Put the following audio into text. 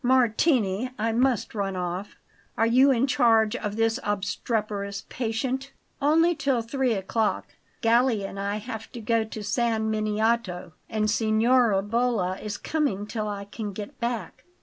Martini, I must run off. Are you in charge of this obstreperous patient?" "Only till three o'clock. Galli and I have to go to San Miniato, and Signora Bolla is coming till I can get back."